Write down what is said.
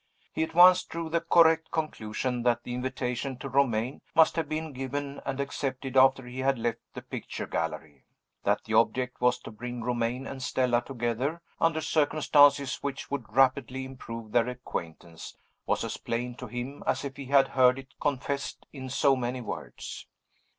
He at once drew the correct conclusion that the invitation to Romayne must have been given and accepted after he had left the picture gallery. That the object was to bring Romayne and Stella together, under circumstances which would rapidly improve their acquaintance, was as plain to him as if he had heard it confessed in so many words.